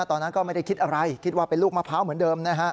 ตอนนั้นก็ไม่ได้คิดอะไรคิดว่าเป็นลูกมะพร้าวเหมือนเดิมนะฮะ